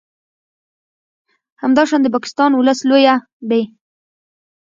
همداشان د پاکستان ولس لویه ب